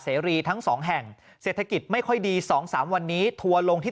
เซรีทั้ง๒แห่งเศรษฐกิจไม่ค่อยดี๒๓วันนี้ทัวร์ลงที่